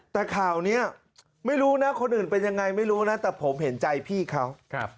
แต่ข่าวนี้ไม่รู้นะคนอื่นเป็นยังไงไม่รู้นะแต่ผมเห็นใจพี่เขา